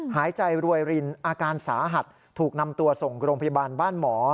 หายใจรวยรินอาการสาหัสถูกนำตัวส่งโรงพยาบาลบ้านหมอ